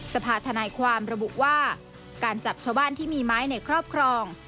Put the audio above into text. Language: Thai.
สภาธนายความระบุว่าการจับชาวบ้านที่มีไม้ในครอบครอง